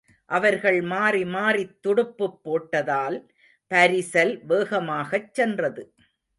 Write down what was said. அவர்கள் மாறி மாறித் துடுப்புப் போட்டதால் பரிசல் வேகமாகச் சென்றது.